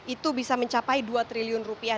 itu bisa mencapai dua triliun rupiah